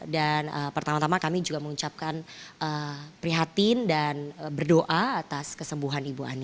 dan pertama tama kami juga mengucapkan prihatin dan berdoa atas kesembuhan ibu ani